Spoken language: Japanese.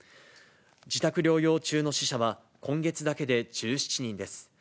自宅療養中の死者は今月だけで１７人です。